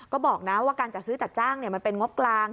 ก็บอกนะว่าการจัดซื้อจัดจ้างมันเป็นงบกลาง